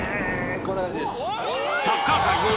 こんな感じです